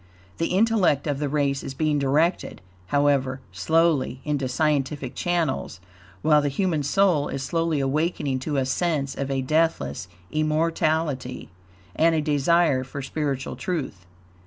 The intellect of the race is being directed, however slowly, into scientific channels, while the human soul is slowly awakening to a sense of a deathless immortality and a desire for spiritual truth.